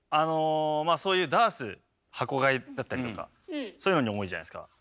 そういうダース箱買いだったりとかそういうのに多いじゃないですか。